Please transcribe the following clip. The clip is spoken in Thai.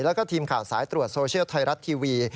แล้วก็ทีมข่าวสายตรวจโซเชียลไทยรัฐทีวี